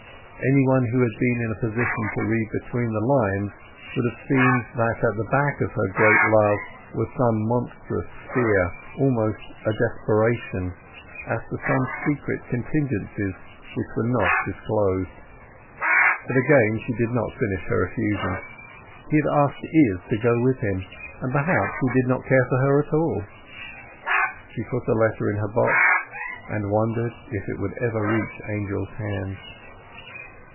Any one who had been in a position to read between the lines would have seen that at the back of her great love was some monstrous fear—almost a desperation—as to some secret contingencies which were not disclosed. But again she did not finish her effusion; he had asked Izz to go with him, and perhaps he did not care for her at all. She put the letter in her box, and wondered if it would ever reach Angel's hands.